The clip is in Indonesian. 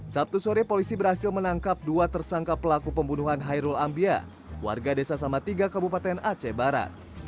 sabtu sore polisi berhasil menangkap dua tersangka pelaku pembunuhan hairul ambia warga desa samatiga kabupaten aceh barat